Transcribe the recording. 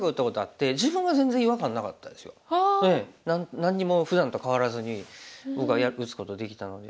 何にもふだんと変わらずに僕は打つことできたので。